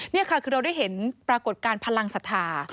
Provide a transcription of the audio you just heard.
นี่ค่ะคือเราได้เห็นปรากฏการณ์พลังศรัทธา